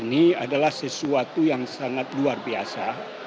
ini adalah sesuatu yang sangat luar biasa